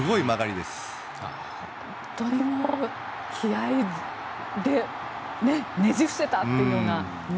本当に気合でねじ伏せたというような。